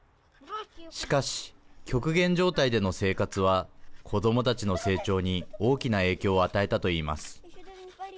しかし、極限状態での生活は子どもたちの成長に大きな影響を与えたといいます。